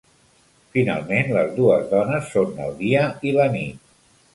Finalment, les dues dones són el dia i la nit.